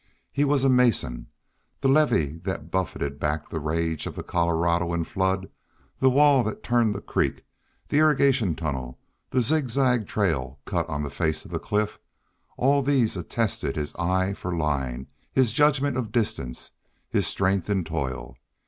He was a mason; the levee that buffeted back the rage of the Colorado in flood, the wall that turned the creek, the irrigation tunnel, the zigzag trail cut on the face of the cliff all these attested his eye for line, his judgment of distance, his strength in toil.